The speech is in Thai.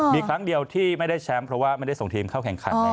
มีครั้งเดียวที่ไม่ได้แชมป์เพราะว่าไม่ได้ส่งทีมเข้าแข่งขัน